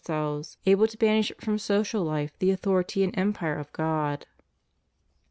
187 selves able to banish from social life the authority and em pire of God.